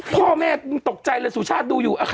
พ่อแม่ตกใจเลยสุชาติดูอยู่